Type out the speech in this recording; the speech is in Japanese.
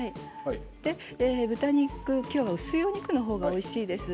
豚肉今日は薄いお肉の方がおいしいです。